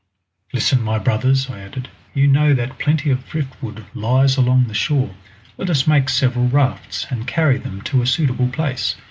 "Listen, my brothers," I added. "You know that plenty of driftwood lies along the shore. Let us make several rafts, and carry them to a suitable place.